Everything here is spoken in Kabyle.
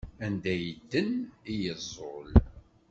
Anda yedden i yeẓẓul.